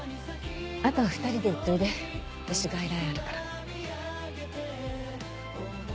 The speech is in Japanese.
あと２人で行っといで私外来あるから。